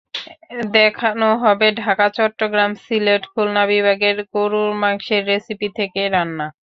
দেখানো হবে ঢাকা, চট্টগ্রাম, সিলেট, খুলনা বিভাগের গরুর মাংসের রেসিপি থেকে রান্না।